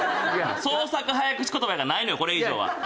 創作早口言葉なんかないのよこれ以上は。